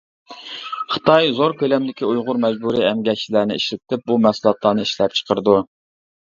خىتاي زور كۆلەمدىكى ئۇيغۇر مەجبۇرىي ئەمگەكچىلەرنى ئىشلىتىپ، بۇ مەھسۇلاتلارنى ئىشلەپچىقىرىدۇ.